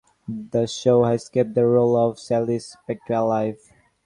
The show has kept the role of Sally Spectra alive.